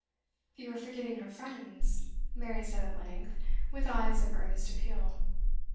'You are forgetting her friends,' Mary said at length, with eyes of earnest appeal.